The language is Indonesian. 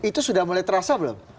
itu sudah mulai terasa belum